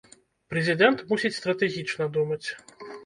Прэзідэнт мусіць стратэгічна думаць.